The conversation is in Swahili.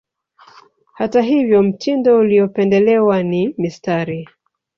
Hata hivyo mtindo uliopendelewa ni mistari